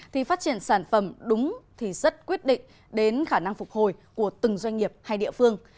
thì phát triển sản phẩm đúng thì rất quyết định đến khả năng phục hồi của từng doanh nghiệp hay địa phương